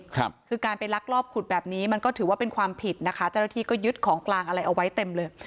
คือการไปลักลอบขุดแบบนี้มันก็ถือว่าเป็นความผิดนะคะเจ้าหน้าที่ก็ยึดของกลางอะไรเอาไว้เต็มเลย